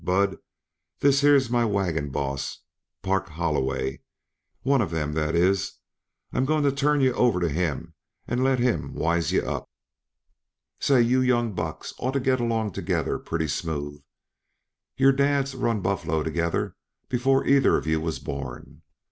Bud, this here's my wagon boss, Park Holloway; one of 'em, that is. I'm going to turn yuh over to him and let him wise yuh up. Say, you young bucks ought to get along together pretty smooth. Your dads run buffalo together before either of yuh was born.